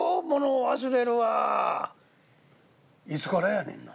「いつからやねんな？」。